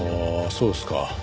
そうですか。